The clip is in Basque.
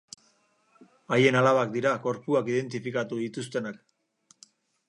Haien alabak dira gorpuak identifikatu dituztenak.